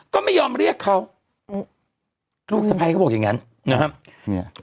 ก็ไม่ยอมเรียกเขาลูกสะพ้ายเขาบอกอย่างงั้นนะครับเนี่ย